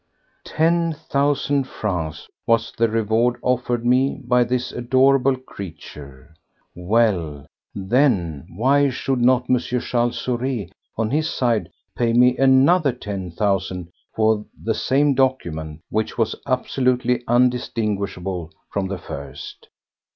Ten thousand francs was the reward offered me by this adorable creature! Well, then, why should not M. Charles Saurez, on his side, pay me another ten thousand for the same document, which was absolutely undistinguishable from the first?